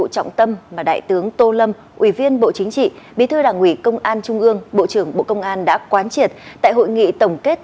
đảng ủy công an trung ương bộ trưởng bộ công an đã quán triệt tại hội nghị tổng kết